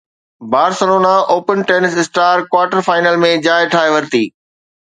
Barcelona open tennis star quarter final ۾ جاءِ ٺاهي ورتي